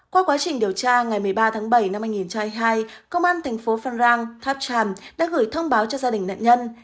qua quá trình điều tra ngày một mươi ba tháng bảy năm hai nghìn hai mươi hai công an thành phố phan rang tháp tràm đã gửi thông báo cho gia đình nạn nhân